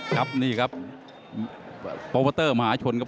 ครับนี่ครับโปรโมเตอร์มหาชนครับ